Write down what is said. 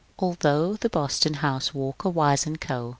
Although the Boston house (Walker, Wise & Co.)